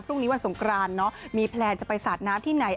พรุ่งนี้วันสงกรานเนาะมีแพลนจะไปสาดน้ำที่ไหน